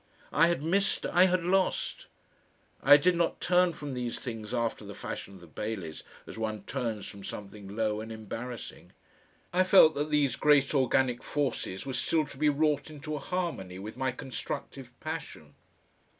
I had missed, I had lost. I did not turn from these things after the fashion of the Baileys, as one turns from something low and embarrassing. I felt that these great organic forces were still to be wrought into a harmony with my constructive passion.